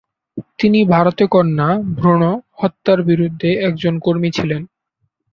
তিনি ভারতে কন্যা ভ্রূণ হত্যার বিরুদ্ধে একজন কর্মী ছিলেন।